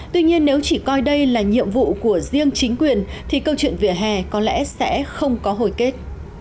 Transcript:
tuy nhiên nếu chỉ coi đây là nhiệm vụ của riêng chính quyền thì câu chuyện về hè có lẽ sẽ không có hồi kết